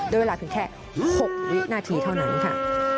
เวลาเพียงแค่๖วินาทีเท่านั้นค่ะ